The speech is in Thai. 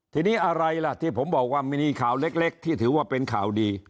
ทีนี้อะไรล่ะที่ผมบอกว่ามีข่าวเล็กที่ถือว่าเป็นข่าวดี